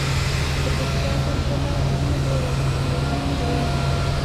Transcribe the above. د پکتیکا زلزله ولې ډیره مرګونې وه؟